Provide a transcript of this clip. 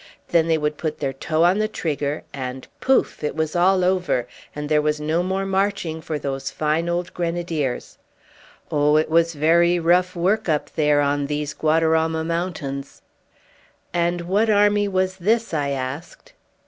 Then they would put their toe on the trigger, and pouf! it was all over, and there was no more marching for those fine old Grenadiers. Oh, it was very rough work up there on these Guadarama mountains!" "And what army was this?" I asked.